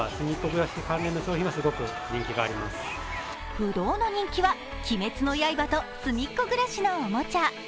不動の人気は「鬼滅の刃」と「すみっコぐらし」のおもちゃ。